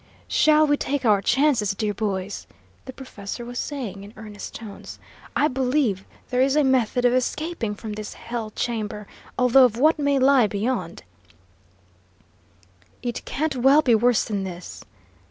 "Shall we take our chances, dear boys?" the professor was saying, in earnest tones. "I believe there is a method of escaping from this hell chamber, although of what may lie beyond " "It can't well be worse than this!"